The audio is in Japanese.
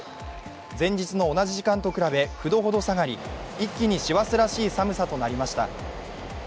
前日の同じ時間と比べ、９度ほど下がり一気に師走らしい寒さとなりました。